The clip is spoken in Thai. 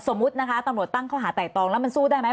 สมมุตินะคะตำรวจตั้งข้อหาไต่ตองแล้วมันสู้ได้ไหม